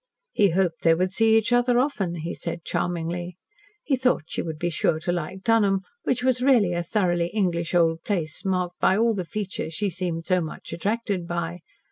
He hoped they would see each other often, he said charmingly. He thought she would be sure to like Dunholm, which was really a thoroughly English old place, marked by all the features she seemed so much attracted by.